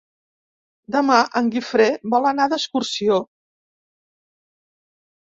Demà en Guifré vol anar d'excursió.